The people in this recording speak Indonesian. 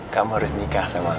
kamu harus nikah sama